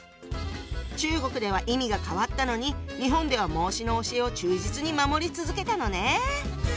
中国では意味が変わったのに日本では孟子の教えを忠実に守り続けたのね。